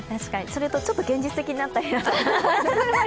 それとちょっと現実的になったり。